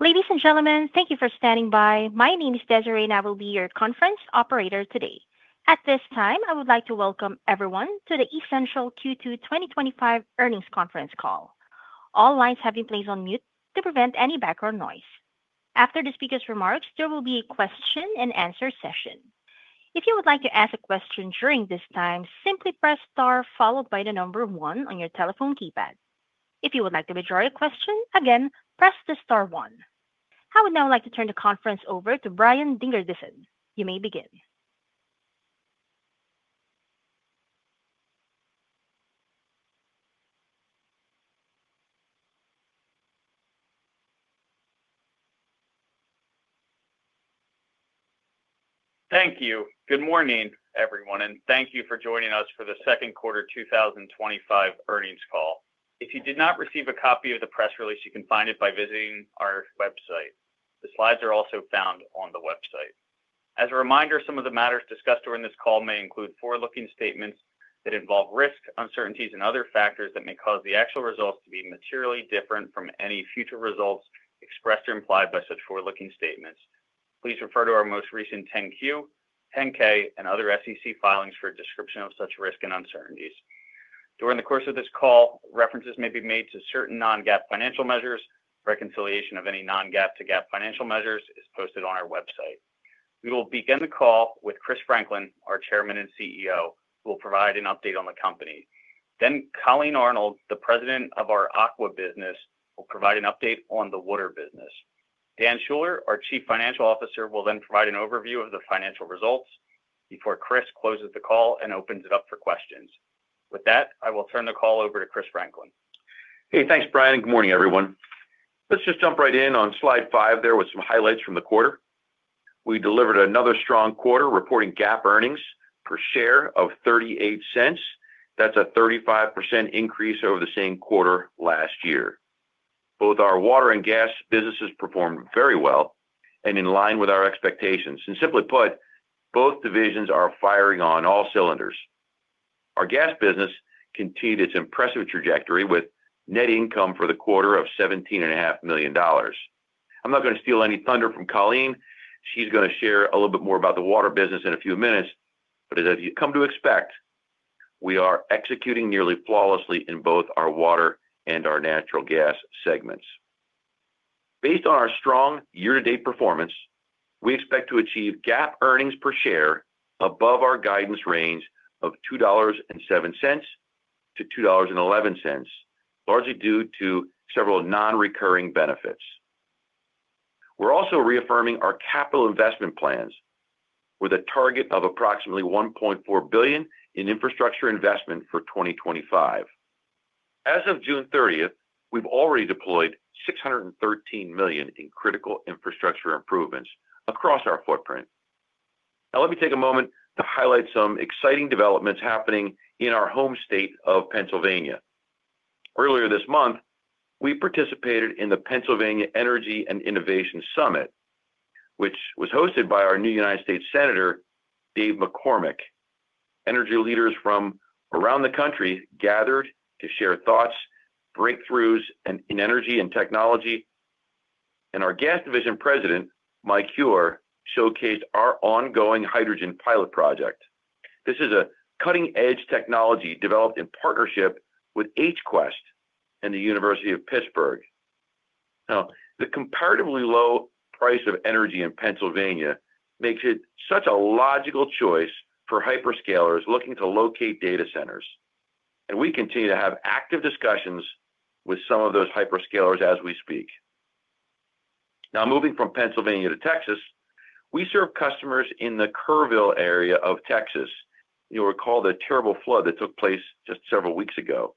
Ladies and gentlemen, thank you for standing by. My name is Desiree, and I will be your conference operator today. At this time, I would like to welcome everyone to the Essential Utilities Q2 2025 Earnings Conference Call. All lines have been placed on mute to prevent any background noise. After the speaker's remarks, there will be a question and answer session. If you would like to ask a question during this time, simply press star followed by the number one on your telephone keypad. If you would like to queue a question, again, press the star one. I would now like to turn the conference over to Brian Dingerdissen. You may begin. Thank you. Good morning, everyone, and thank you for joining us for the second quarter 2025 earnings call. If you did not receive a copy of the press release, you can find it by visiting our website. The slides are also found on the website. As a reminder, some of the matters discussed during this call may include forward-looking statements that involve risk, uncertainties, and other factors that may cause the actual results to be materially different from any future results expressed or implied by such forward-looking statements. Please refer to our most recent 10-Q, 10-K, and other SEC filings for a description of such risk and uncertainties. During the course of this call, references may be made to certain non-GAAP financial measures. Reconciliation of any non-GAAP to GAAP financial measures is posted on our website. We will begin the call with Chris Franklin, our Chairman and CEO, who will provide an update on the company. Colleen Arnold, the President of our Aqua business, will provide an update on the water business. Dan Schuller, our Chief Financial Officer, will then provide an overview of the financial results before Chris closes the call and opens it up for questions. With that, I will turn the call over to Chris Franklin. Hey, thanks, Brian, and good morning, everyone. Let's just jump right in on slide five there with some highlights from the quarter. We delivered another strong quarter reporting GAAP earnings per share of $0.38. That's a 35% increase over the same quarter last year. Both our water and gas businesses performed very well and in line with our expectations. Simply put, both divisions are firing on all cylinders. Our gas business continued its impressive trajectory with net income for the quarter of $17.5 million. I'm not going to steal any thunder from Colleen. She's going to share a little bit more about the water business in a few minutes. As you've come to expect, we are executing nearly flawlessly in both our water and our natural gas segments. Based on our strong year-to-date performance, we expect to achieve GAAP earnings per share above our guidance range of $2.07 to $2.11, largely due to several non-recurring benefits. We're also reaffirming our capital investment plans with a target of approximately $1.4 billion in infrastructure investment for 2025. As of June 30, we've already deployed $613 million in critical infrastructure improvements across our footprint. Let me take a moment to highlight some exciting developments happening in our home state of Pennsylvania. Earlier this month, we participated in the Pennsylvania Energy and Innovation Summit, which was hosted by our new United States Senator, Dave McCormick. Energy leaders from around the country gathered to share thoughts, breakthroughs in energy and technology, and our Gas Division President, Michael Huwar, showcased our ongoing hydrogen pilot project. This is a cutting-edge technology developed in partnership with HQuest and the University of Pittsburgh. The comparatively low price of energy in Pennsylvania makes it such a logical choice for hyperscalers looking to locate data centers. We continue to have active discussions with some of those hyperscalers as we speak. Moving from Pennsylvania to Texas, we serve customers in the Kerrville area of Texas. You recall the terrible flood that took place just several weeks ago.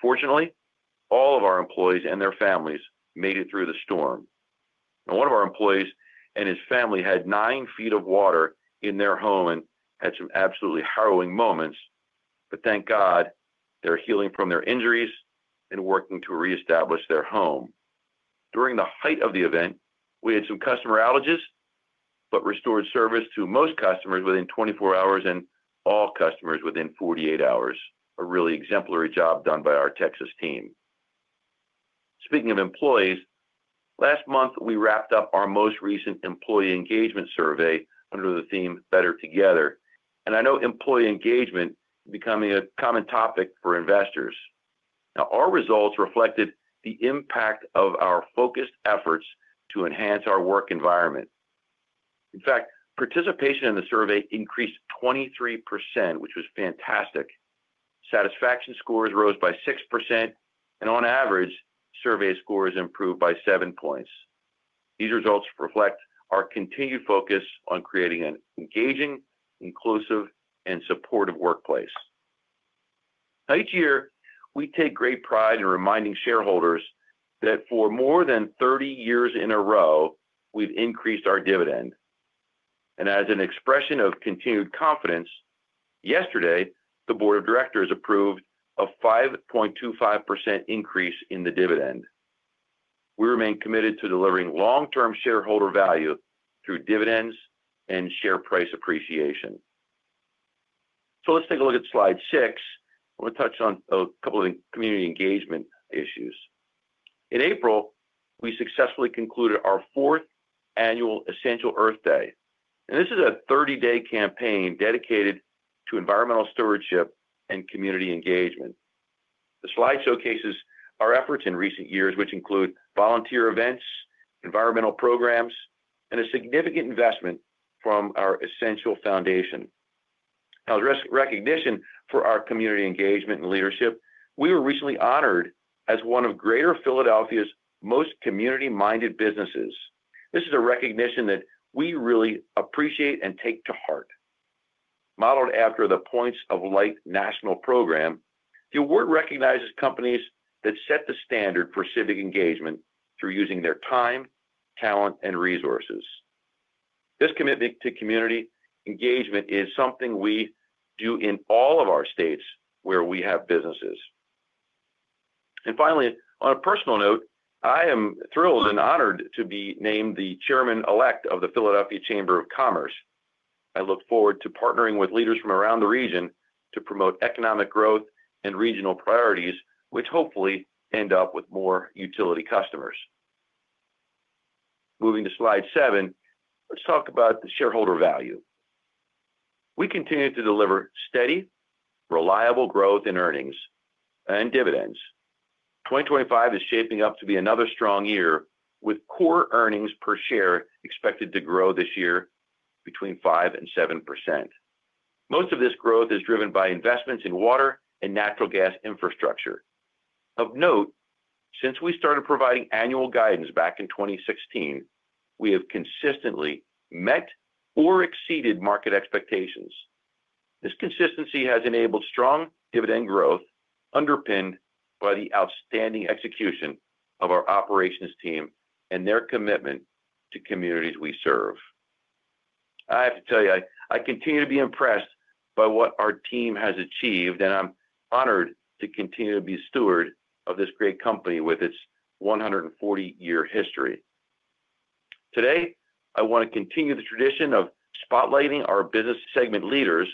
Fortunately, all of our employees and their families made it through the storm. One of our employees and his family had nine feet of water in their home and had some absolutely harrowing moments, but thank God they're healing from their injuries and working to reestablish their home. During the height of the event, we had some customer outages, but restored service to most customers within 24 hours and all customers within 48 hours. A really exemplary job done by our Texas team. Speaking of employees, last month we wrapped up our most recent employee engagement survey under the theme "Better Together," and I know employee engagement is becoming a common topic for investors. Our results reflected the impact of our focused efforts to enhance our work environment. In fact, participation in the survey increased 23%, which was fantastic. Satisfaction scores rose by 6%, and on average, survey scores improved by seven points. These results reflect our continued focus on creating an engaging, inclusive, and supportive workplace. Each year we take great pride in reminding shareholders that for more than 30 years in a row, we've increased our dividend. As an expression of continued confidence, yesterday the board of directors approved a 5.25% increase in the dividend. We remain committed to delivering long-term shareholder value through dividends and share price appreciation. Let's take a look at slide six. I want to touch on a couple of community engagement issues. In April, we successfully concluded our fourth annual Essential Earth Day, and this is a 30-day campaign dedicated to environmental stewardship and community engagement. The slide showcases our efforts in recent years, which include volunteer events, environmental programs, and a significant investment from our Essential Foundation. As recognition for our community engagement and leadership, we were recently honored as one of Greater Philadelphia's most community-minded businesses. This is a recognition that we really appreciate and take to heart. Modeled after the Points of Light National Program, the award recognizes companies that set the standard for civic engagement through using their time, talent, and resources. This commitment to community engagement is something we do in all of our states where we have businesses. On a personal note, I am thrilled and honored to be named the Chairman-elect of the Philadelphia Chamber of Commerce. I look forward to partnering with leaders from around the region to promote economic growth and regional priorities, which hopefully end up with more utility customers. Moving to slide seven, let's talk about the shareholder value. We continue to deliver steady, reliable growth in earnings and dividends. 2025 is shaping up to be another strong year, with core earnings per share expected to grow this year between 5% and 7%. Most of this growth is driven by investments in water and natural gas infrastructure. Of note, since we started providing annual guidance back in 2016, we have consistently met or exceeded market expectations. This consistency has enabled strong dividend growth, underpinned by the outstanding execution of our operations team and their commitment to communities we serve. I have to tell you, I continue to be impressed by what our team has achieved, and I'm honored to continue to be steward of this great company with its 140-year history. Today, I want to continue the tradition of spotlighting our business segment leaders.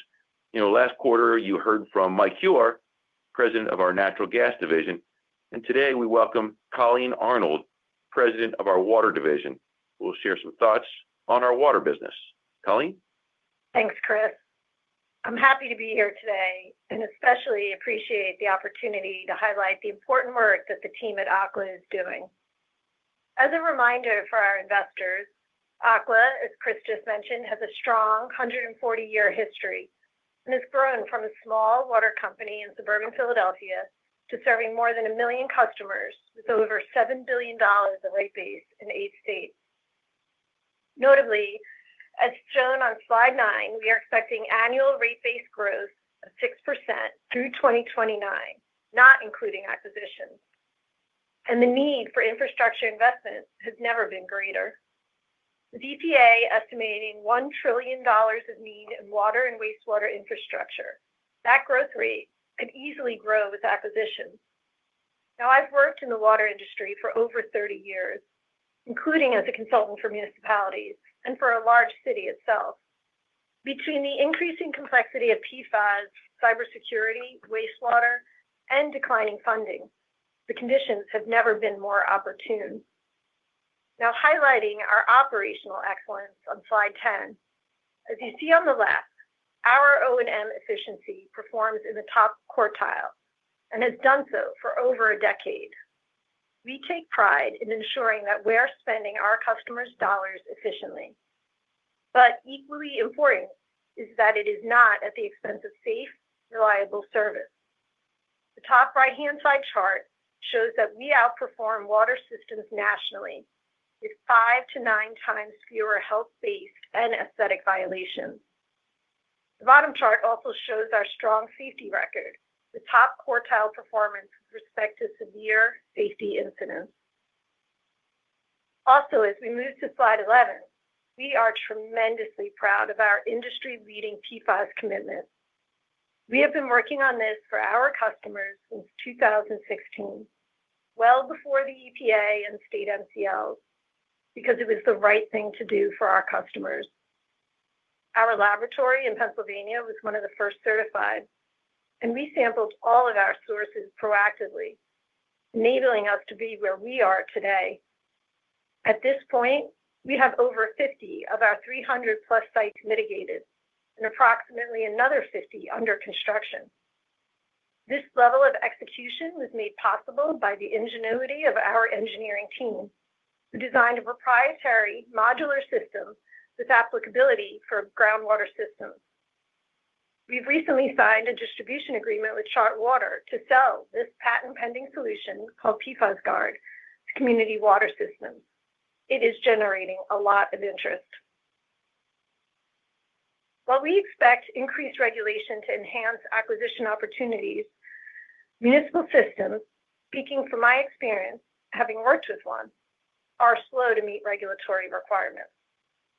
Last quarter you heard from Michael Huwar, President of our natural gas division, and today we welcome Colleen Arnold, President of our water division, who will share some thoughts on our water business. Colleen? Thanks, Chris. I'm happy to be here today and especially appreciate the opportunity to highlight the important work that the team at Aqua is doing. As a reminder for our investors, Aqua, as Chris just mentioned, has a strong 140-year history and has grown from a small water company in suburban Philadelphia to serving more than a million customers with over $7 billion of rate base in eight states. Notably, as shown on slide nine, we are expecting annual rate base growth of 6% through 2029, not including acquisitions. The need for infrastructure investments has never been greater. The EPA is estimating $1 trillion of need in water and Wastewater infrastructure. That growth rate could easily grow with acquisitions. I've worked in the water industry for over 30 years, including as a consultant for municipalities and for a large city itself. Between the increasing complexity of PFAS, cybersecurity, Wastewater, and declining funding, the conditions have never been more opportune. Highlighting our operational excellence on slide ten, as you see on the left, our O&M efficiency performs in the top quartile and has done so for over a decade. We take pride in ensuring that we are spending our customers' dollars efficiently. Equally important is that it is not at the expense of safe, reliable service. The top right-hand side chart shows that we outperform water systems nationally with five to nine times fewer health-based and aesthetic violations. The bottom chart also shows our strong safety record, the top quartile performance with respect to severe safety incidents. As we move to slide 11, we are tremendously proud of our industry-leading PFAS commitment. We have been working on this for our customers since 2016, well before the EPA and state MCLs, because it was the right thing to do for our customers. Our laboratory in Pennsylvania was one of the first certified, and we sampled all of our sources proactively, enabling us to be where we are today. At this point, we have over 50 of our 300-plus sites mitigated and approximately another 50 under construction. This level of execution was made possible by the ingenuity of our engineering team, who designed a proprietary modular system with applicability for groundwater systems. We've recently signed a distribution agreement with ChartWater to sell this patent-pending solution called PFAS Guard to community water systems. It is generating a lot of interest. While we expect increased regulation to enhance acquisition opportunities, municipal systems, speaking from my experience, having worked with one, are slow to meet regulatory requirements,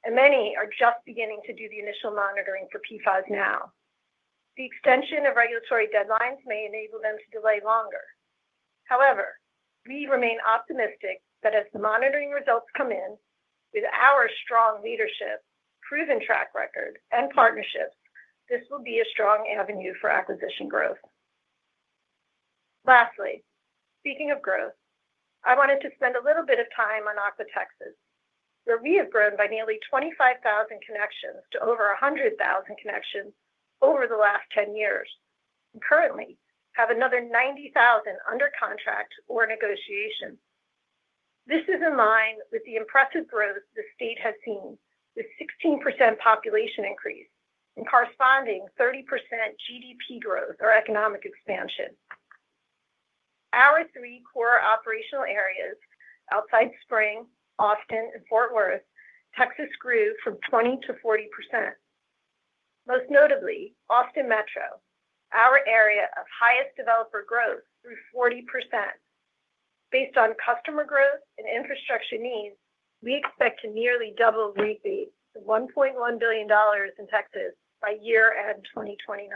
and many are just beginning to do the initial monitoring for PFAS now. The extension of regulatory deadlines may enable them to delay longer. However, we remain optimistic that as the monitoring results come in, with our strong leadership, proven track record, and partnerships, this will be a strong avenue for acquisition growth. Lastly, speaking of growth, I wanted to spend a little bit of time on Aqua Texas, where we have grown by nearly 25,000 connections to over 100,000 connections over the last 10 years, and currently have another 90,000 under contract or negotiation. This is in line with the impressive growth the state has seen, with a 16% population increase and corresponding 30% GDP growth or economic expansion. Our three core operational areas, outside Spring, Austin, and Fort Worth, Texas, grew from 20% to 40%. Most notably, Austin Metro, our area of highest developer growth, grew 40%. Based on customer growth and infrastructure needs, we expect to nearly double repeat the $1.1 billion in Texas by year-end 2029.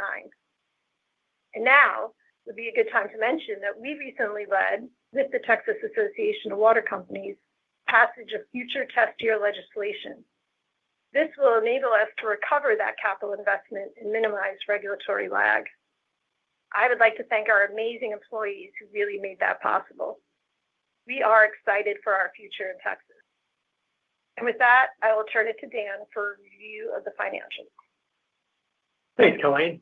Now would be a good time to mention that we recently led, with the Texas Association of Water Companies, the passage of future test year legislation. This will enable us to recover that capital investment and minimize regulatory lag. I would like to thank our amazing employees who really made that possible. We are excited for our future in Texas. With that, I will turn it to Dan for a review of the financials. Thanks, Colleen.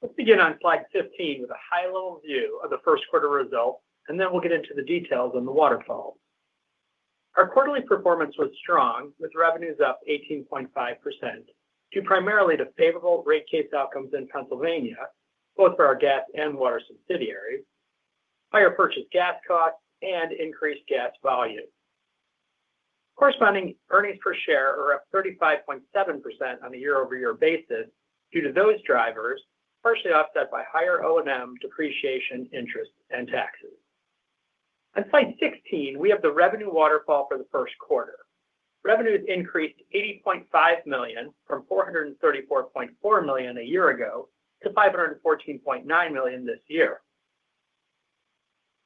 Let's begin on slide 15 with a high-level view of the first quarter results, and then we'll get into the details on the waterfalls. Our quarterly performance was strong, with revenues up 18.5% due primarily to favorable rate case outcomes in Pennsylvania, both for our gas and water subsidiaries, higher purchased gas costs, and increased gas volume. Corresponding earnings per share are up 35.7% on a year-over-year basis due to those drivers, partially offset by higher O&M, depreciation, interest, and taxes. On slide 16, we have the revenue waterfall for the first quarter. Revenues increased $80.5 million from $434.4 million a year ago to $514.9 million this year.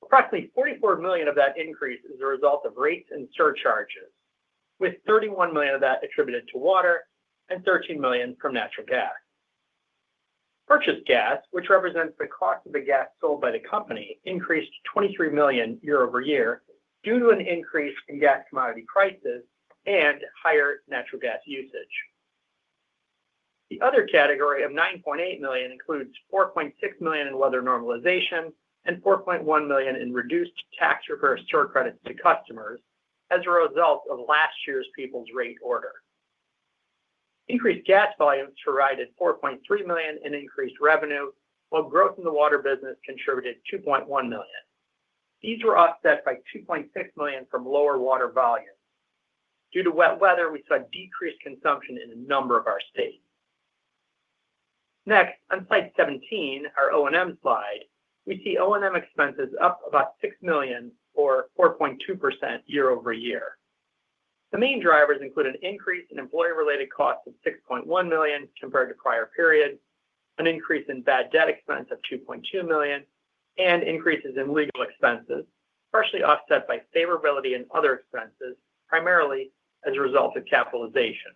Approximately $44 million of that increase is the result of rates and surcharges, with $31 million of that attributed to water and $13 million from natural gas. Purchased gas, which represents the cost of the gas sold by the company, increased $23 million year-over-year due to an increase in gas commodity prices and higher natural gas usage. The other category of $9.8 million includes $4.6 million in weather normalization and $4.1 million in reduced tax reverse surcredits to customers as a result of last year's Peoples rate order. Increased gas volumes provided $4.3 million in increased revenue, while growth in the water business contributed $2.1 million. These were offset by $2.6 million from lower water volumes. Due to wet weather, we saw decreased consumption in a number of our states. Next, on slide 17, our O&M slide, we see O&M expenses up about $6 million or 4.2% year-over-year. The main drivers include an increase in employee-related costs of $6.1 million compared to prior periods, an increase in bad debt expense of $2.2 million, and increases in legal expenses, partially offset by favorability in other expenses, primarily as a result of capitalization.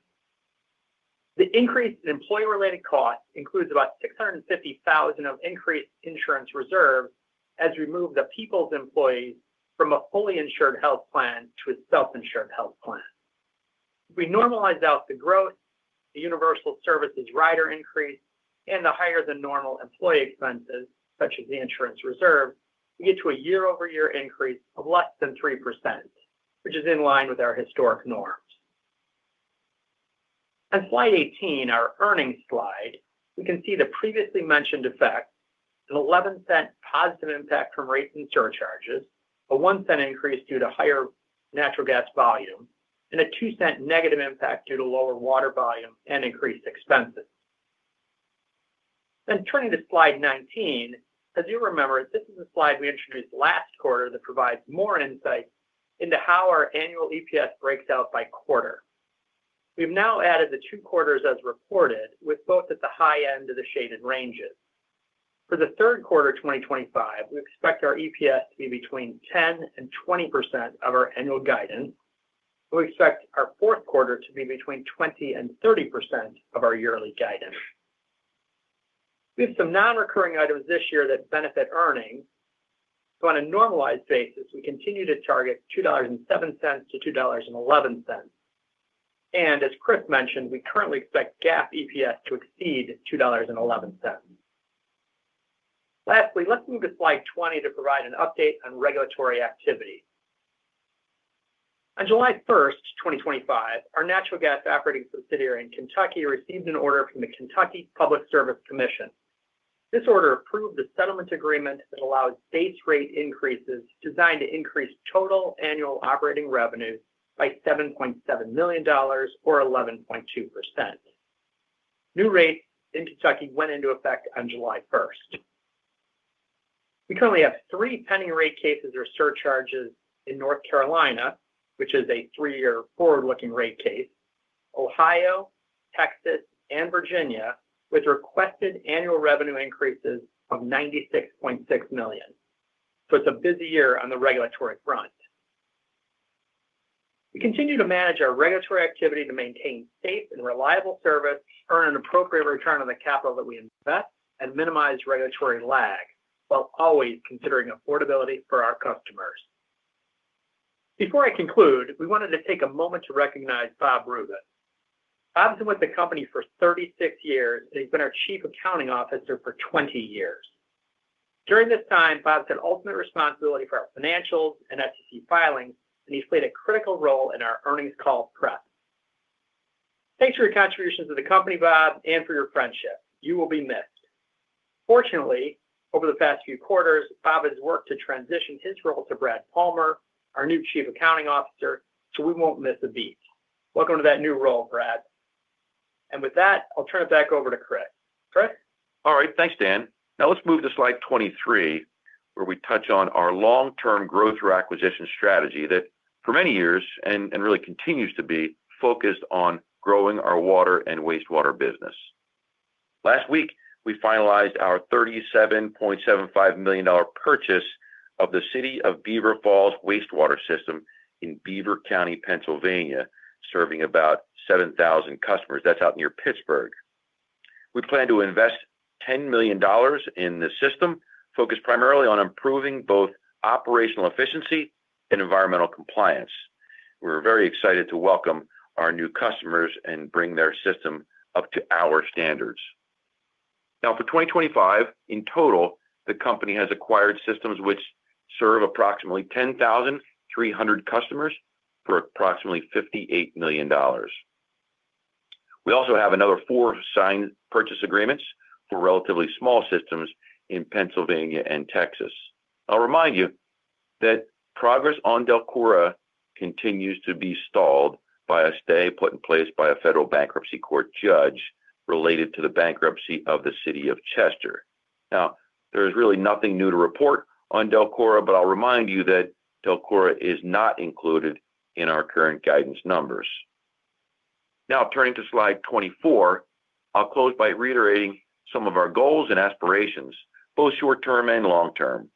The increase in employee-related costs includes about $0.65 million of increased insurance reserves as we move the Peoples employees from a fully insured health plan to a self-insured health plan. If we normalize out the growth, the universal services rider increase, and the higher-than-normal employee expenses, such as the insurance reserve, we get to a year-over-year increase of less than 3%, which is in line with our historic norms. On slide 18, our earnings slide, we can see the previously mentioned effects: an $0.11 positive impact from rates and surcharges, a $0.01 increase due to higher natural gas volume, and a $0.02 negative impact due to lower water volume and increased expenses. Turning to slide 19, as you remember, this is a slide we introduced last quarter that provides more insight into how our annual EPS breaks out by quarter. We've now added the two quarters as reported, with both at the high end of the shaded ranges. For the third quarter of 2025, we expect our EPS to be between 10% and 20% of our annual guidance, and we expect our fourth quarter to be between 20% and 30% of our yearly guidance. We have some non-recurring items this year that benefit earnings. On a normalized basis, we continue to target $2.07 to $2.11. As Chris mentioned, we currently expect GAAP EPS to exceed $2.11. Lastly, let's move to slide 20 to provide an update on regulatory activity. On July 1, 2025, our natural gas operating subsidiary in Kentucky received an order from the Kentucky Public Service Commission. This order approved the settlement agreement that allows base rate increases designed to increase total annual operating revenues by $7.7 million or 11.2%. New rates in Kentucky went into effect on July 1. We currently have three pending rate cases or surcharges in North Carolina, which is a three-year forward-looking rate case, Ohio, Texas, and Virginia, with requested annual revenue increases of $96.6 million. It's a busy year on the regulatory front. We continue to manage our regulatory activity to maintain safe and reliable service, earn an appropriate return on the capital that we invest, and minimize regulatory lag while always considering affordability for our customers. Before I conclude, we wanted to take a moment to recognize Bob Rubin. Bob's been with the company for 36 years, and he's been our Chief Accounting Officer for 20 years. During this time, Bob's had ultimate responsibility for our financials and SEC filings, and he's played a critical role in our earnings call prep. Thanks for your contributions to the company, Bob, and for your friendship. You will be missed. Fortunately, over the past few quarters, Bob has worked to transition his role to Brad Palmer, our new Chief Accounting Officer, so we won't miss a beat. Welcome to that new role, Brad. With that, I'll turn it back over to Chris. Chris? All right. Thanks, Dan. Now let's move to slide 23, where we touch on our long-term growth requisition strategy that for many years and really continues to be focused on growing our water and Wastewater business. Last week, we finalized our $37.75 million purchase of the City of Beaver Falls Wastewater system in Beaver County, Pennsylvania, serving about 7,000 customers. That's out near Pittsburgh. We plan to invest $10 million in the system, focused primarily on improving both operational efficiency and environmental compliance. We're very excited to welcome our new customers and bring their system up to our standards. For 2025, in total, the company has acquired systems which serve approximately 10,300 customers for approximately $58 million. We also have another four signed purchase agreements for relatively small systems in Pennsylvania and Texas. I'll remind you that progress on Delcora continues to be stalled by a stay put in place by a federal bankruptcy court judge related to the bankruptcy of the City of Chester. There's really nothing new to report on Delcora, but I'll remind you that Delcora is not included in our current guidance numbers. Now, turning to slide 24, I'll close by reiterating some of our goals and aspirations, both short-term and long-term.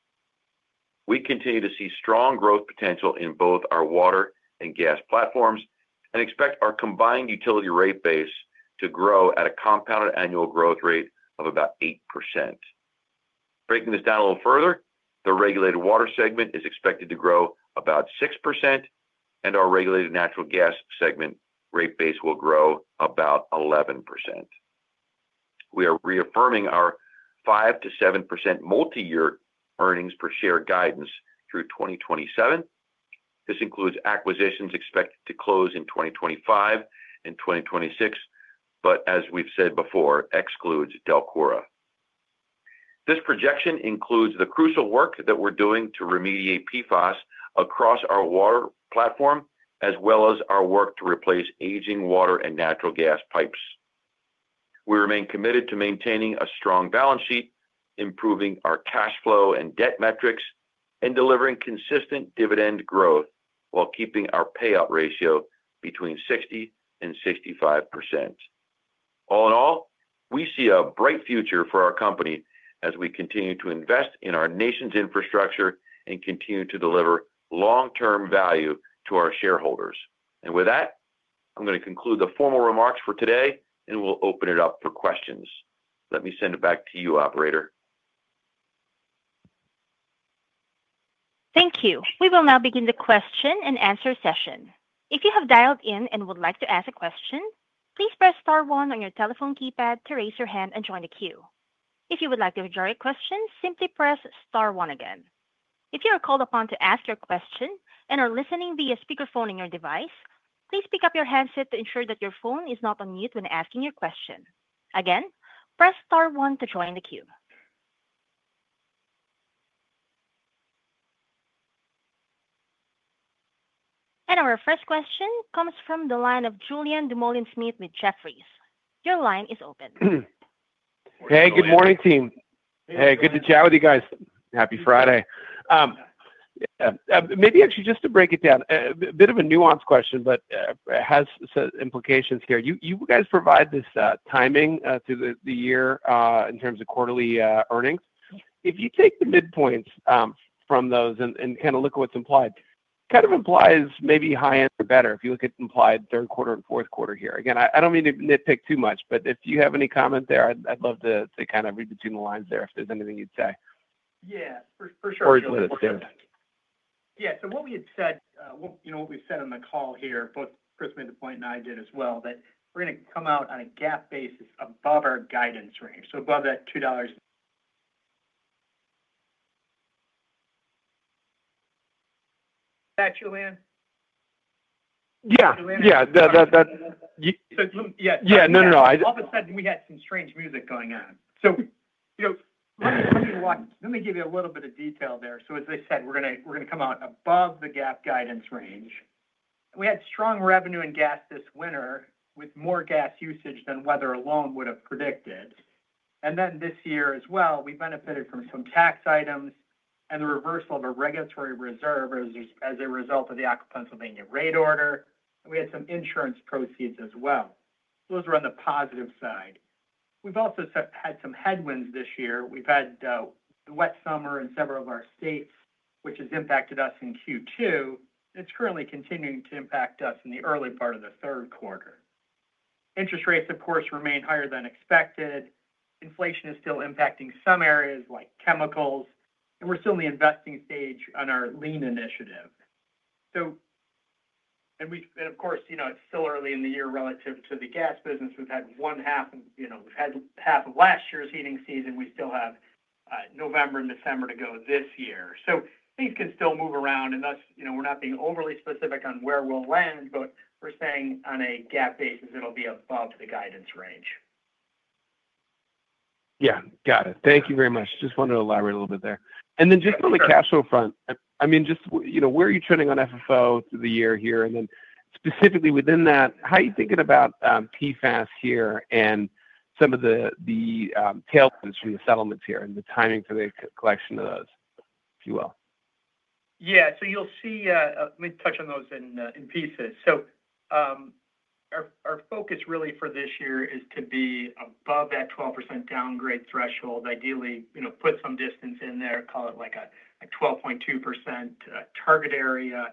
We continue to see strong growth potential in both our water and gas platforms and expect our combined utility rate base to grow at a compounded annual growth rate of about 8%. Breaking this down a little further, the regulated water segment is expected to grow about 6%, and our regulated natural gas segment rate base will grow about 11%. We are reaffirming our 5% to 7% multi-year earnings per share guidance through 2027. This includes acquisitions expected to close in 2025 and 2026, but as we've said before, excludes Delcora. This projection includes the crucial work that we're doing to remediate PFAS across our water platform, as well as our work to replace aging water and natural gas pipes. We remain committed to maintaining a strong balance sheet, improving our cash flow and debt metrics, and delivering consistent dividend growth while keeping our payout ratio between 60% and 65%. All in all, we see a bright future for our company as we continue to invest in our nation's infrastructure and continue to deliver long-term value to our shareholders. With that, I'm going to conclude the formal remarks for today, and we'll open it up for questions. Let me send it back to you, operator. Thank you. We will now begin the question and answer session. If you have dialed in and would like to ask a question, please press star one on your telephone keypad to raise your hand and join the queue. If you would like to withdraw a question, simply press star one again. If you are called upon to ask your question and are listening via speakerphone on your device, please pick up your handset to ensure that your phone is not on mute when asking your question. Again, press star one to join the queue. Our first question comes from the line of Julien Dumoulin-Smith with Jefferies. Your line is open. Hey, good morning, team. Good to chat with you guys. Happy Friday. Maybe just to break it down, a bit of a nuanced question, but it has implications here. You guys provide this timing through the year in terms of quarterly earnings. If you take the midpoints from those and look at what's implied, it kind of implies maybe high end or better if you look at implied third quarter and fourth quarter here. I don't mean to nitpick too much, but if you have any comment there, I'd love to read between the lines if there's anything you'd say. Yeah, for sure. Let us do it. Yeah, what we had said, you know what we've said on the call here, both Chris made the point and I did as well, that we're going to come out on a GAAP basis above our guidance range. Above that $2. That Julien? Yeah. Yeah. No, no, no. All of a sudden, we had some strange music going on. Let me give you a little bit of detail there. As I said, we're going to come out above the GAAP guidance range. We had strong revenue in gas this winter with more gas usage than weather alone would have predicted. This year as well, we benefited from some tax items and the reversal of a regulatory reserve as a result of the Aqua Pennsylvania rate order. We had some insurance proceeds as well. Those were on the positive side. We've also had some headwinds this year. We've had the wet summer in several of our states, which has impacted us in Q2, and it's currently continuing to impact us in the early part of the third quarter. Interest rates, of course, remain higher than expected. Inflation is still impacting some areas like chemicals. We're still in the investing stage on our lean initiative. Of course, it's still early in the year relative to the gas business. We've had half of last year's heating season. We still have November and December to go this year. Things can still move around. Thus, we're not being overly specific on where we'll land, but we're saying on a GAAP basis, it'll be above the guidance range. Got it. Thank you very much. Just wanted to elaborate a little bit there. Just on the cash flow front, where are you trending on FFO through the year here? Specifically within that, how are you thinking about PFAS here and some of the tailwinds from the settlements and the timing for the collection of those, if you will? You'll see me touch on those in pieces. Our focus really for this year is to be above that 12% downgrade threshold. Ideally, you know, put some distance in there, call it like a 12.2% target area.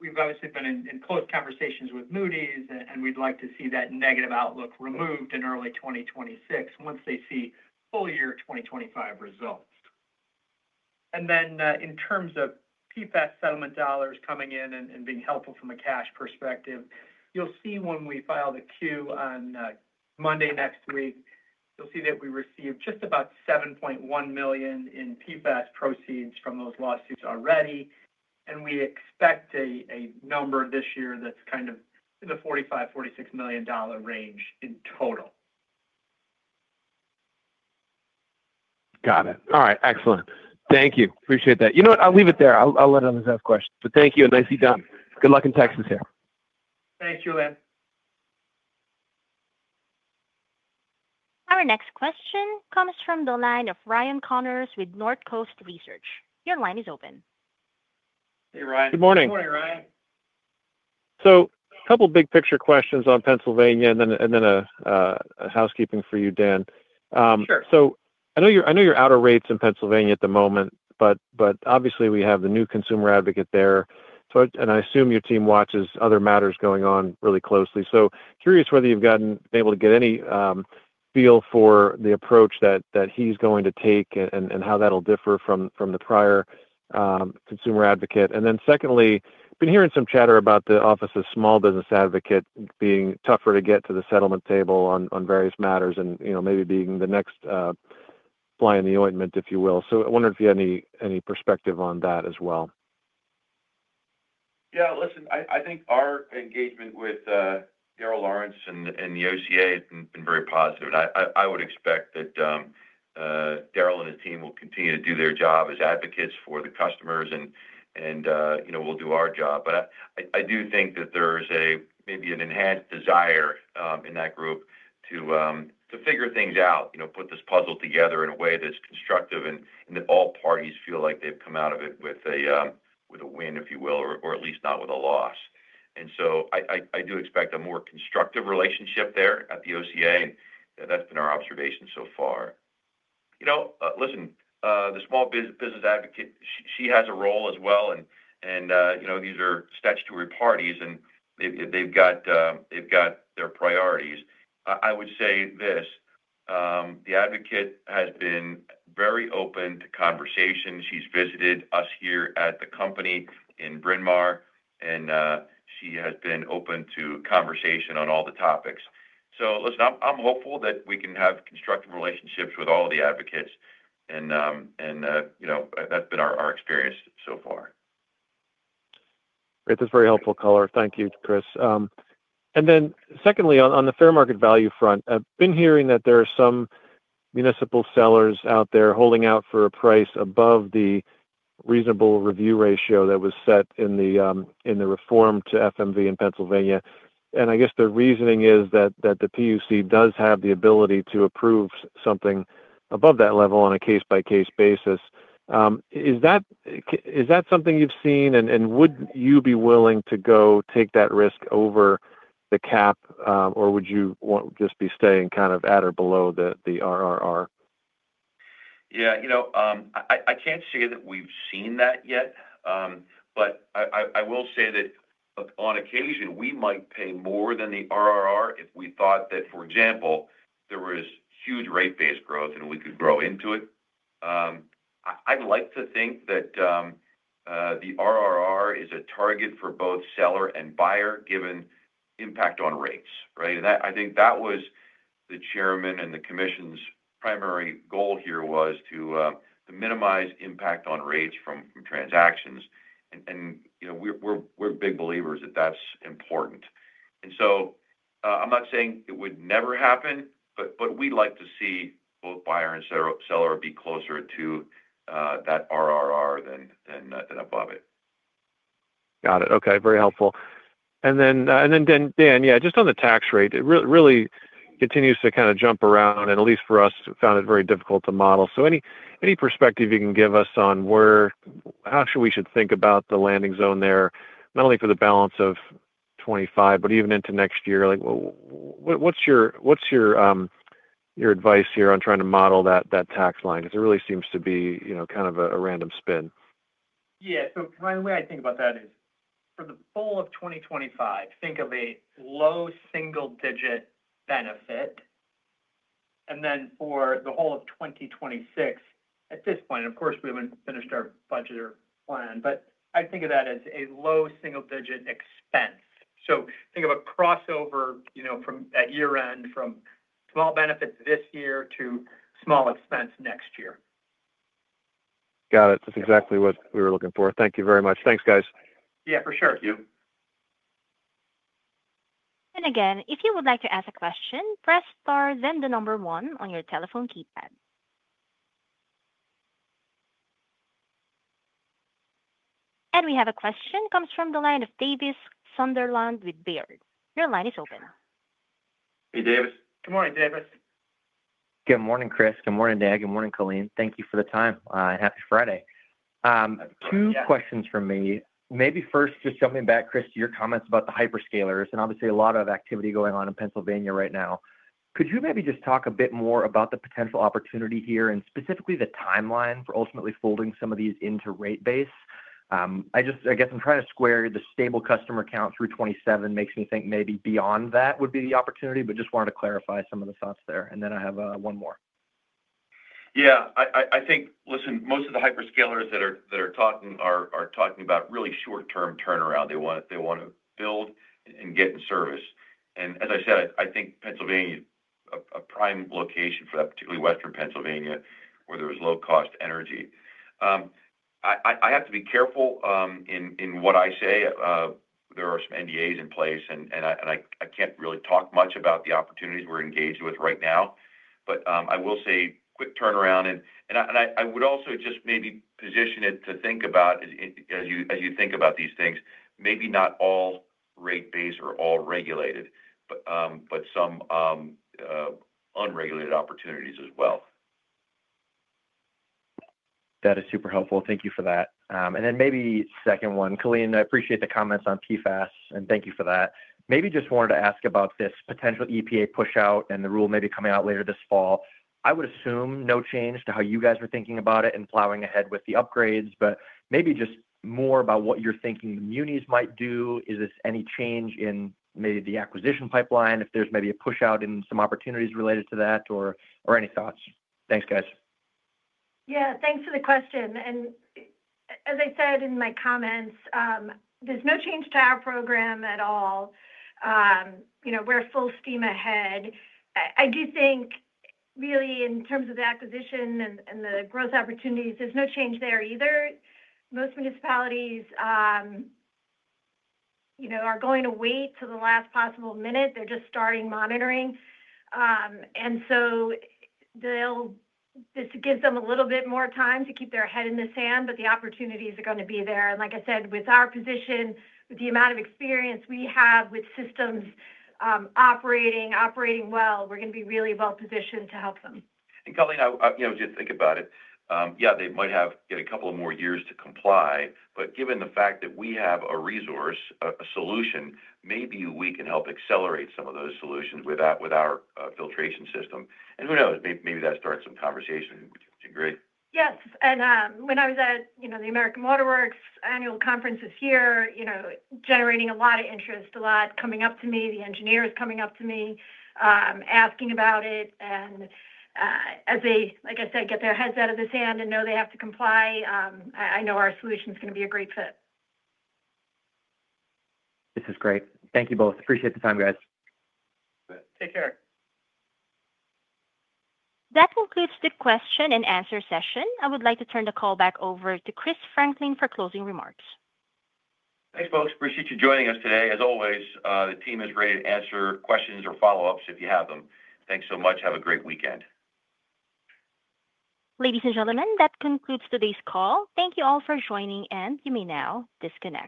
We've obviously been in close conversations with Moody's, and we'd like to see that negative outlook removed in early 2026 once they see full-year 2025 results. In terms of PFAS settlement dollars coming in and being helpful from a cash perspective, you'll see when we file the Q on Monday next week, we received just about $7.1 million in PFAS proceeds from those lawsuits already. We expect a number this year that's kind of in the $45 million to $46 million range in total. Got it. All right. Excellent. Thank you. Appreciate that. You know what? I'll leave it there. I'll let him ask questions. Thank you and nice to be done. Good luck in Texas here. Thanks, Julien. Our next question comes from the line of Ryan Connors with Northcoast Research. Your line is open. Hey, Ryan. Good morning. Morning, Ryan. A couple of big-picture questions on Pennsylvania and then a housekeeping for you, Dan. Sure. I know you're out of rates in Pennsylvania at the moment, but obviously, we have the new consumer advocate there. I assume your team watches other matters going on really closely. I'm curious whether you've been able to get any feel for the approach that he's going to take and how that'll differ from the prior consumer advocate. Secondly, I've been hearing some chatter about the Office of Small Business Advocate being tougher to get to the settlement table on various matters and, you know, maybe being the next fly in the ointment, if you will. I wondered if you had any perspective on that as well. Yeah, listen, I think our engagement with Darryl Lawrence and the OCA has been very positive. I would expect that Darryl and his team will continue to do their job as advocates for the customers and, you know, we'll do our job. I do think that there's maybe an enhanced desire in that group to figure things out, you know, put this puzzle together in a way that's constructive and that all parties feel like they've come out of it with a win, if you will, or at least not with a loss. I do expect a more constructive relationship there at the OCA, and that's been our observation so far. You know, listen, the Small Business Advocate, she has a role as well. These are statutory parties, and they've got their priorities. I would say this: the Advocate has been very open to conversation. She's visited us here at the company in Bryn Mawr, and she has been open to conversation on all the topics. Listen, I'm hopeful that we can have constructive relationships with all of the advocates, and that's been our experience so far. Great. That's very helpful, Colleen. Thank you, Chris. On the fair market value front, I've been hearing that there are some municipal sellers out there holding out for a price above the reasonable review ratio that was set in the reform to FMV in Pennsylvania. I guess the reasoning is that the PUC does have the ability to approve something above that level on a case-by-case basis. Is that something you've seen? Would you be willing to go take that risk over the cap, or would you want to just be staying kind of at or below the RRR? Yeah, you know, I can't say that we've seen that yet. I will say that on occasion, we might pay more than the RRR if we thought that, for example, there was huge rate base growth and we could grow into it. I'd like to think that the RRR is a target for both seller and buyer given the impact on rates, right? I think that was the Chairman and the Commission's primary goal here, to minimize impact on rates from transactions. You know, we're big believers that that's important. I'm not saying it would never happen, but we'd like to see both buyer and seller be closer to that RRR than above it. Got it. Okay. Very helpful. Dan, just on the tax rate, it really continues to kind of jump around, and at least for us, found it very difficult to model. Any perspective you can give us on where actually we should think about the landing zone there, not only for the balance of 2025, but even into next year? What's your advice here on trying to model that tax line? It really seems to be, you know, kind of a random spin. The way I think about that is for the full of 2025, think of a low single-digit benefit. For the whole of 2026 at this point, and of course, we haven't finished our budget or plan, but I'd think of that as a low single-digit expense. Think of a crossover at year-end from small benefits this year to small expense next year. Got it. That's exactly what we were looking for. Thank you very much. Thanks, guys. Yeah, for sure. Thank you. If you would like to ask a question, press star then the number one on your telephone keypad. We have a question that comes from the line of Davis Sunderland with Baird. Your line is open. Hey, Davis. Good morning, Davis. Good morning, Chris. Good morning, Dan. Good morning, Colleen. Thank you for the time, and happy Friday. Two questions from me. Maybe first just jumping back, Chris, to your comments about the hyperscalers. Obviously, a lot of activity going on in Pennsylvania right now. Could you maybe just talk a bit more about the potential opportunity here and specifically the timeline for ultimately folding some of these into rate base? I guess I'm trying to square the stable customer count through 2027. Makes me think maybe beyond that would be the opportunity, but just wanted to clarify some of the thoughts there. I have one more. Yeah, I think, listen, most of the hyperscalers that are talking are talking about really short-term turnaround. They want to build and get in service. As I said, I think Pennsylvania is a prime location for that, particularly Western Pennsylvania, where there was low-cost energy. I have to be careful in what I say. There are some NDAs in place, and I can't really talk much about the opportunities we're engaged with right now. I will say quick turnaround. I would also just maybe position it to think about, as you think about these things, maybe not all rate-based or all regulated, but some unregulated opportunities as well. That is super helpful. Thank you for that. Maybe the second one. Colleen, I appreciate the comments on PFAS, and thank you for that. Maybe just wanted to ask about this potential EPA push-out and the rule maybe coming out later this fall. I would assume no change to how you guys are thinking about it and plowing ahead with the upgrades, but maybe just more about what you're thinking the munis might do. Is this any change in maybe the acquisition pipeline if there's maybe a push-out in some opportunities related to that or any thoughts? Thanks, guys. Yeah, thanks for the question. As I said in my comments, there's no change to our program at all. You know, we're full steam ahead. I do think really in terms of the acquisition and the growth opportunities, there's no change there either. Most municipalities, you know, are going to wait till the last possible minute. They're just starting monitoring. This gives them a little bit more time to keep their head in the sand, but the opportunities are going to be there. Like I said, with our position, with the amount of experience we have with systems operating well, we're going to be really well positioned to help them. Colleen, you know, just think about it. They might have a couple of more years to comply, but given the fact that we have a resource, a solution, maybe we can help accelerate some of those solutions with our filtration system. Who knows? Maybe that starts some conversation, would you agree? Yes. When I was at the American Water Works annual conference this year, generating a lot of interest, a lot coming up to me, the engineers coming up to me, asking about it. As they, like I said, get their heads out of the sand and know they have to comply, I know our solution is going to be a great fit. This is great. Thank you both. Appreciate the time, guys. Take care. That concludes the question and answer session. I would like to turn the call back over to Chris Franklin for closing remarks. Thanks, folks. Appreciate you joining us today. As always, the team is ready to answer questions or follow-ups if you have them. Thanks so much. Have a great weekend. Ladies and gentlemen, that concludes today's call. Thank you all for joining, and you may now disconnect.